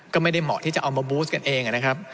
ก็ไม่ได้เหมาะที่จะเอามาบูสกันเองนะครับ